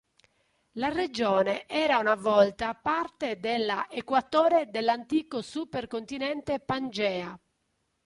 La regione era una volta parte della Equatore del antico supercontinente Pangea.